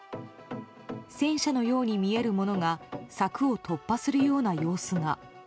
戦車のように見えるものが柵を突破するような様子が。